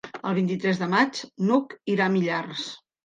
El vint-i-tres de maig n'Hug irà a Millars.